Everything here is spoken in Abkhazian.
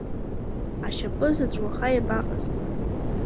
Ашьапы заҵә уаха иабаҟаз…